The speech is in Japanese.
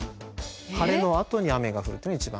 「晴れのあとに雨が降る」というのが１番。